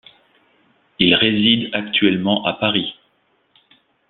Il réside actuellement à Paris.